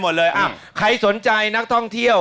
เฮ่น้องช้างแต่ละเชือกเนี่ย